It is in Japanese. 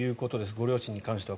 ご両親に関しては。